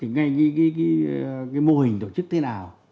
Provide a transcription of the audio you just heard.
ngay cái mô hình tổ chức thế nào